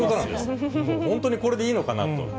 本当にこれでいいのかなと。